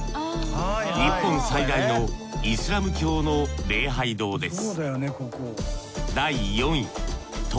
日本最大のイスラム教の礼拝堂です